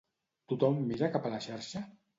Tothom mira cap a la xarxa?